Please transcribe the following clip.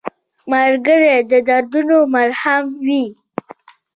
ملګری د دردونو مرهم وي